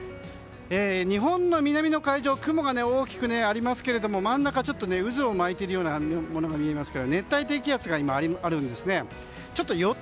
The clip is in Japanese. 日本の南の海上に雲が大きくありますけども真ん中に渦を巻いているようなものが見えますが熱帯低気圧が今、あるんですね。